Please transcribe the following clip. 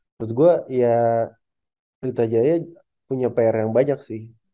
menurut gue ya pelita jaya punya pr yang banyak sih